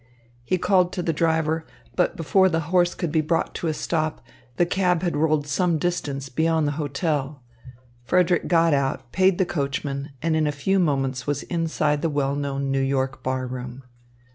He called to the driver, but before the horse could be brought to a stop, the cab had rolled some distance beyond the hotel. Frederick got out, paid the coachman, and in a few moments was inside the well known New York bar room.